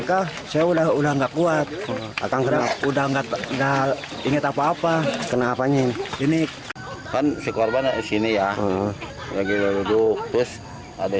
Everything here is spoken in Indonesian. keras udah nggak enggak inget apa apa kenapa ini ini kan si korban sini ya lagi duduk terus ada